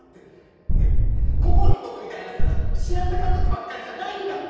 ねえこころんとこみたいなさ幸せ家族ばっかりじゃないんだって！